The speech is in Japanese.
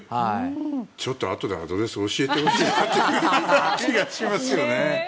ちょっとあとでアドレス教えてほしい気もしますね。